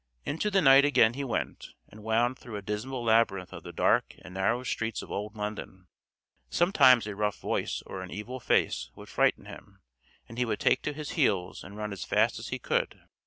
Into the night again he went, and wound through a dismal labyrinth of the dark and narrow streets of old London. Sometimes a rough voice or an evil face would frighten him, and he would take to his heels and run as fast as he could.